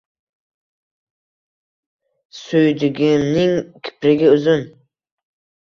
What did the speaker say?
Suydigimning kiprigi uzun –